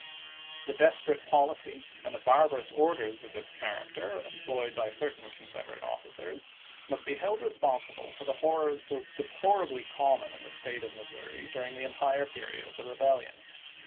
The desperate policy and the barbarous orders of this character employed by certain Confederate offi 374 ABRAHAM LINCOLN ch. XVIII. cers must be held responsible for the horrors so deplorably common in the State of Missouri during the entire period of the rebellion.